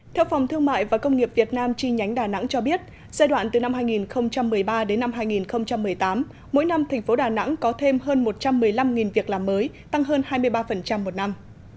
theo phòng thương mại và công nghiệp việt nam chi nhánh đà nẵng cho biết giai đoạn từ năm hai nghìn một mươi ba đến năm hai nghìn một mươi tám mỗi năm thành phố đà nẵng có thêm hơn một trăm một mươi năm việc làm mới tăng hơn hai mươi ba một năm